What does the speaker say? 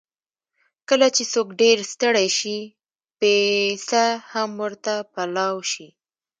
کله چې څوک ډېر ستړی شي، پېڅه هم ورته پلاو شي.